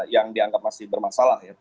yang dianggap masih bermasalah ya